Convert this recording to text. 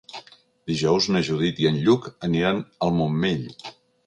Dijous na Judit i en Lluc aniran al Montmell.